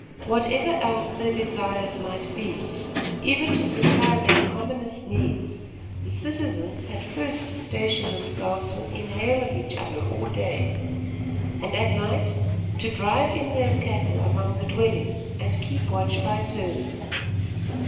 Whatever else their desires might be, even to supply their commonest needs, the citizens had first to station themselves within hail of each other all day, and at night to drive in their cattle among the dwellings and keep watch by turns.